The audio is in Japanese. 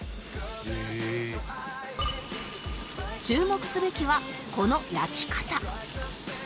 注目すべきはこの焼き方